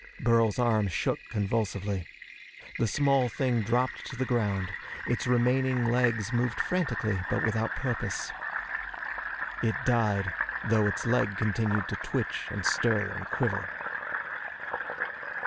Burl's arm shook convulsively. The small thing dropped to the ground. Its remaining legs moved frantically but without purpose. It died, though its leg continued to twitch and stir and quiver.